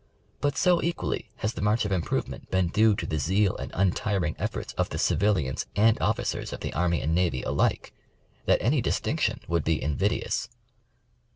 But so equally has the march of improvement been due to the zeal and untiring efforts of the civilians and officers of the Army and Navy alike, that any dis tinction would be invidious.